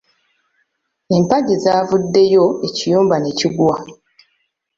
Emapagi zavuddeyo ekiyumba ne kigwa.